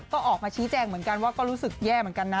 ก็ออกมาชี้แจงเหมือนกันว่าก็รู้สึกแย่เหมือนกันนะ